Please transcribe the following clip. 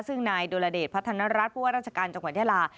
ซึ่งนายดุลเดชพัฒนรัฐผู้ว่าราชการจังหวัดยาลา